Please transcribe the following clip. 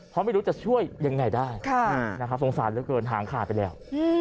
เพราะไม่รู้จะช่วยยังไงได้สงสารเหลือเกินหางขาดไปแล้ว